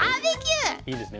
いいですね。